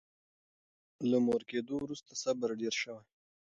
له مور کېدو وروسته صبر ډېر شوی.